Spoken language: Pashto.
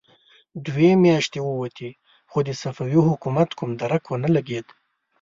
دوې مياشتې ووتې، خو د صفوي حکومت کوم درک ونه لګېد.